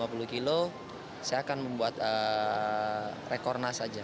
jadi saya akan membuat rekor nas aja